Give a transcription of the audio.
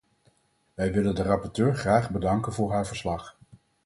Wij willen de rapporteur graag bedanken voor haar verslag.